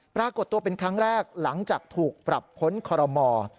ปรากฏตัวเป็นครั้งแรกหลังจากถูกปรับพ้นคอรมอ